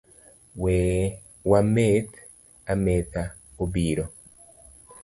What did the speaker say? Wa meth ametha obiro.